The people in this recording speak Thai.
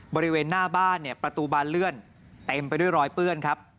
บริเวณหน้าบ้านเนี่ยประตูบานเลื่อนเต็มไปด้วยรอยเปื้อนครับ